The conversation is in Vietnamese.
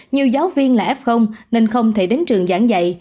nhiều giáo viên là f nên không thể đến trường giảng dạy